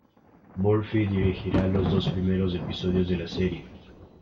Murphy dirigirá los dos primeros episodios de la serie.